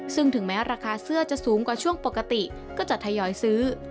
ซึ่งถึงแม้ราคาเสื้อจะสูงกว่าช่วงปกติก็จะทยอยซื้อ